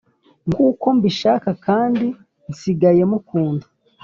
Nkuko mbishaka kandi nsigaye mukunda